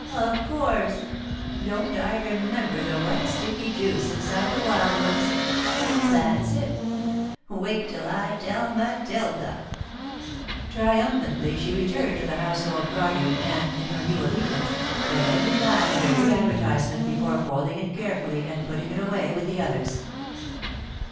"Of course. Don't I remember the white sticky juice inside the wild ones? That's it! Wait till I tell Matilda!" [Sidenote: Grandmother Sees the Stranger] Triumphantly she returned to The Household Guardian, and, in her new allegiance, read every line of every advertisement before folding it carefully and putting it away with the others.